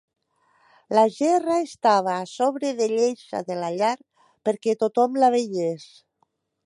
La gerra estava a sobre de lleixa de la llar, perquè tothom la veiés.